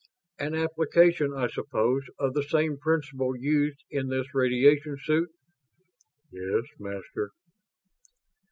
"An application, I suppose, of the same principle used in this radiation suit." "Yes, Master."